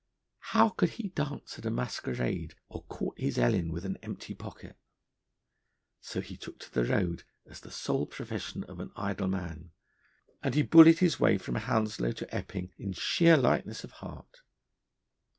How could he dance at a masquerade or court his Ellen with an empty pocket? So he took to the road as the sole profession of an idle man, and he bullied his way from Hounslow to Epping in sheer lightness of heart.